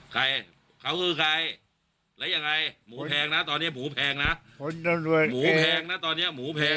ใครเขาคือใครแล้วยังไงหมูแพงนะตอนนี้หมูแพงนะ